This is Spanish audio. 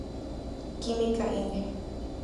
Química, Ing.